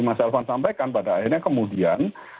mas elvan sampaikan pada akhirnya kemudian